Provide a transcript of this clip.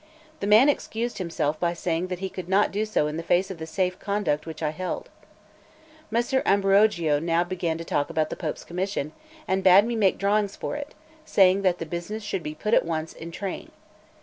The man excused himself by saying that he could not do so in the face of the safe conduct which I held. Messer Ambruogio now began to talk about the Pope's commission, and bade me make drawings for it, saying that the business should be put at once in train.